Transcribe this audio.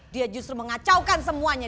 dia justru mengacaukan semuanya